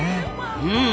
うん！